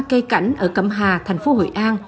cây cảnh ở cẩm hà thành phố hội an